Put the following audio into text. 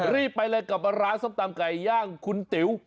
รีบไปเลยกับร้านส้มตำไก่ย่างคุณติ๋ว